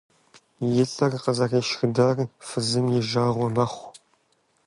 И лӏыр къызэрешхыдар фызым и жагъуэ мэхъу.